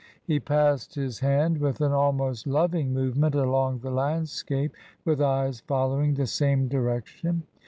He passed his hand with an almost loving movement along the landscape, his eyes following the same direc tion.